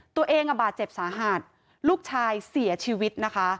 ตัวเองบาดเจ็บสาหัสลูกชายเสียชีวิตนะคะ